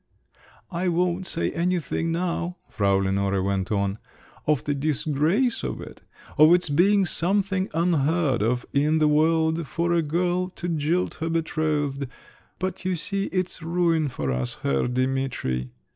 "I won't say anything now," Frau Lenore went on, "of the disgrace of it, of its being something unheard of in the world for a girl to jilt her betrothed; but you see it's ruin for us, Herr Dimitri!"